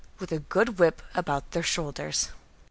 "With a good whip about their shoulders."